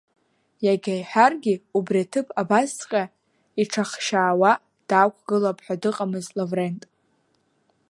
Иага иҳәаргьы убри аҭыԥ абасҵәҟьа иҽахшьаауа даақәгылап ҳәа дыҟамызт Лаврент.